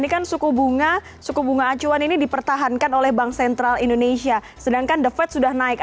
karena suku bunga acuan ini dipertahankan oleh bank sentral indonesia sedangkan default sudah naik